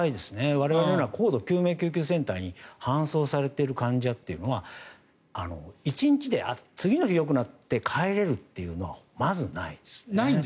我々のような高度救命救急センターに搬送されている患者というのは１日で次の日によくなって帰れるっていうのはまずないですね。